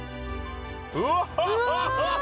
うわ！